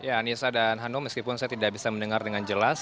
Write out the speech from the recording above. ya anissa dan hanum meskipun saya tidak bisa mendengar dengan jelas